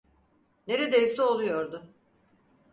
Neredeyse oluyordu.